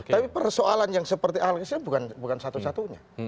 tapi persoalan yang seperti alexis bukan satu satunya